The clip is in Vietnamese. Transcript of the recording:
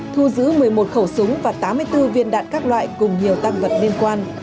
thu giữ một mươi một khẩu súng và tám mươi bốn viên đạn các loại cùng nhiều tăng vật liên quan